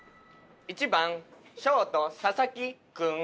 １番ショートササキ君。